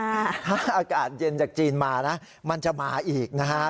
ถ้าอากาศเย็นจากจีนมานะมันจะมาอีกนะฮะ